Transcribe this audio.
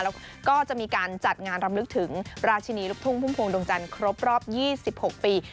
แล้วก็จะมีการจัดงานรำลึกถึงราชินีลูกทุ่งพุ่มพวงดวงจันทร์ครบรอบ๒๖ปี